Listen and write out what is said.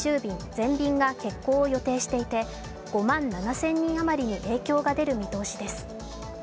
全便が欠航を予定していて５万７０００人あまりに影響が出る見通しです。